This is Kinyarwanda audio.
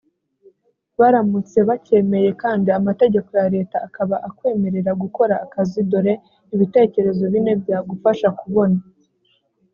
baramutse bacyemeye kandi amategeko ya leta akaba akwemerera gukora akazi dore ibitekerezo bine byagufasha kubona